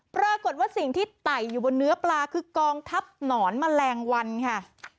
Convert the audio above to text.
ปรากฏว่าสิ่งที่ไต่อยู่บนเนื้อปลาคือกองทัพหนอนแมลงวันค่ะ